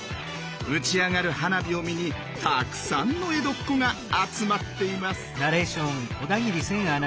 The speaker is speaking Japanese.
打ち上がる花火を見にたくさんの江戸っ子が集まっています。